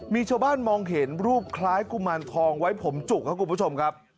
มีชาวบ้านมองเห็นรูปคล้ายกุมารทองไว้ผมจุกครับคุณผู้ชมครับ